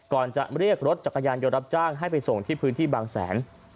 จะเรียกรถจักรยานยนต์รับจ้างให้ไปส่งที่พื้นที่บางแสน